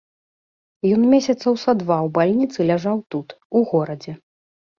Ён месяцаў са два ў бальніцы ляжаў тут, у горадзе.